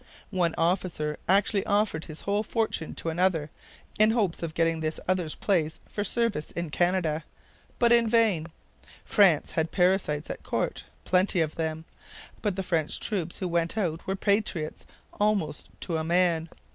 One officer actually offered his whole fortune to another, in hopes of getting this other's place for service in Canada. But in vain. France had parasites at court, plenty of them. But the French troops who went out were patriots almost to a man.